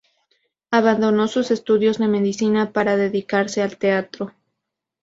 Abandonó sus estudios de Medicina para dedicarse al teatro.